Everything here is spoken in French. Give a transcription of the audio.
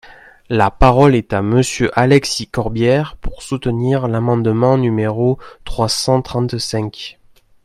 La parole est à Monsieur Alexis Corbière, pour soutenir l’amendement numéro trois cent trente-cinq.